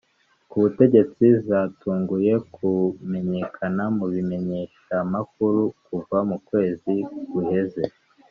Inkuru z'uko yoba ashaka kuva ku butegetsi zatanguye kumenyekana mu bimenyeshamakuru kuva mu kwezi guheze